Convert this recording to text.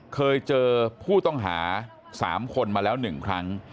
เคยเจอผู้ต้องหา๓คนมาแล้ว๑ครั้ง